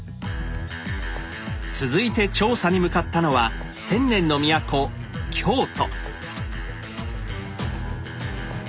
続いて調査に向かったのは千年の都京都。